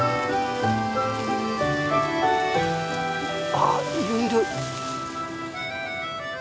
ああいるいる。